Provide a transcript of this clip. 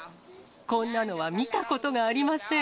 こんなのは見たことがありません。